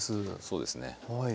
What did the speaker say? そうですね。